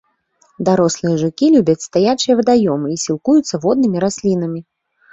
Дарослыя жукі любяць стаячыя вадаёмы і сілкуюцца воднымі раслінамі.